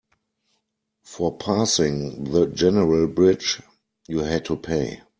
For passing the general bridge, you had to pay.